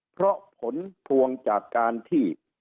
เพราะผลพวงจากการที่